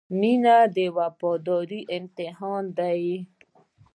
• مینه د وفادارۍ امتحان دی.